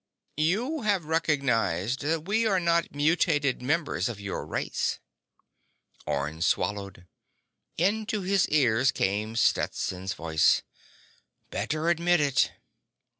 "You have recognized that we are not mutated members of your race." Orne swallowed. Into his ears came Stetson's voice: _"Better admit it."